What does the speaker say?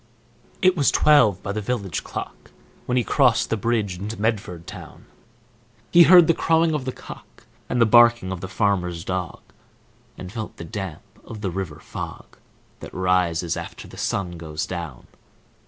It was twelve by the village clock When he crossed the bridge into Medford town. He heard the crowing of the cock, And the barking of the farmer's dog, And felt the damp of the river fog, That rises after the sun goes down.